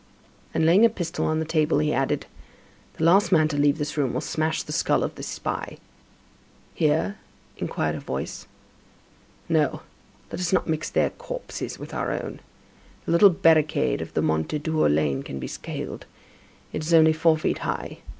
And, laying a pistol on the table, he added: "The last man to leave this room will smash the skull of this spy." "Here?" inquired a voice. "No, let us not mix their corpses with our own. The little barricade of the Mondétour lane can be scaled. It is only four feet high.